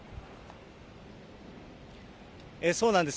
そうなんです。